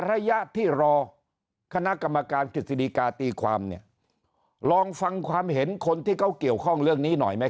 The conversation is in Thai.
ระยะที่รอคณะกรรมการกฤษฎีกาตีความเนี่ยลองฟังความเห็นคนที่เขาเกี่ยวข้องเรื่องนี้หน่อยไหม